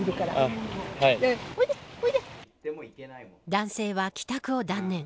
男性は帰宅を断念。